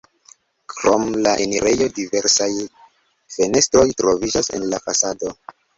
Krom la enirejo diversaj fenestroj troviĝas en la fasado.